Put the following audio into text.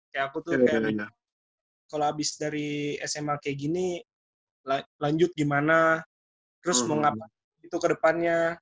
kayak aku tuh kayak kalau habis dari sma kayak gini lanjut gimana terus mengapa itu ke depannya